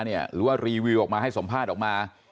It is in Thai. หรือว่ารีวิวออกมาให้สัมภาษณ์ออกมา